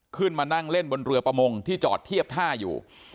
ขึ้นมานั่งเล่นบนเรือประมงที่จอดเทียบท่าอยู่